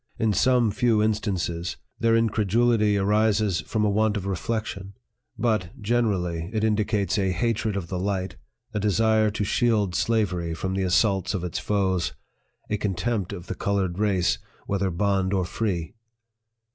In some few instances, their incredulity arises from a want of PREFACE. XI reflection ; but, generally, it indicates a hatred of the light, a desire to shield slavery from the assaults of its foes, a contempt of the colored race, whether bond or free.